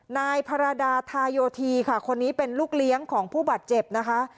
นายพระราดาธาโยธีค่ะคนนี้เป็นลูกเลี้ยงของผู้บาดเจ็บนะคะ